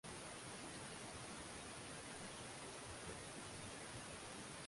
Upatikanaji wa taarifa za mazingira ni muhimu